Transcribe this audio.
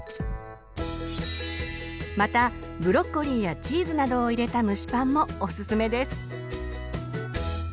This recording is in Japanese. またブロッコリーやチーズなどを入れた蒸しパンもおすすめです。